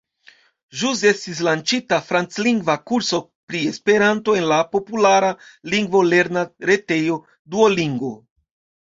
Ĵus estis lanĉita franclingva kurso pri Esperanto en la populara lingvolerna retejo Duolingo.